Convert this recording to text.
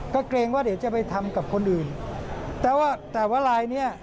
ก็เกรงว่าเดี๋ยวจะไปทำกับคนอื่นแต่ว่าแต่ว่าลายเนี้ย